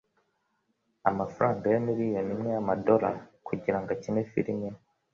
amafaranga ya miliyoni imwe yama dollar kugirango akine film imwe?